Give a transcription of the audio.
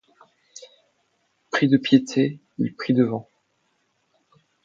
Pris de piété, il prie devant.